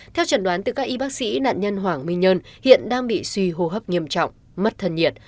theo trần đoán từ các y bác sĩ nạn nhân hoàng minh nhân hiện đang bị suy hô hấp nghiêm trọng mất thân nhiệt